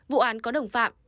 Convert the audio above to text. vụ án có đồng phạm